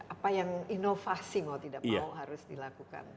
apa yang inovasi mau tidak mau harus dilakukan